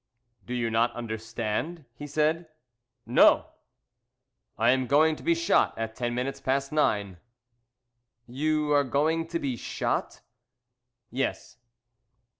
"Do you not understand?" he said. "No!" "I am going to be shot at ten minutes past nine." "You are going to be shot?" "Yes."